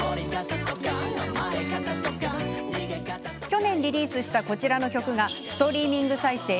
去年リリースしたこちらの曲がストリーミング再生